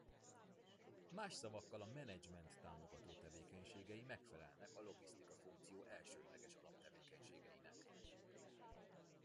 Más szavakkal a menedzsment támogató tevékenységei megfelelnek a logisztika funkció elsődleges alaptevékenységeinek.